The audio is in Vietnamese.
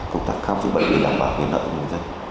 công tác khám chữa bệnh để đảm bảo quyền lợi cho người dân